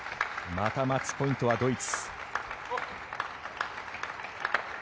またマッチポイントはドイツ。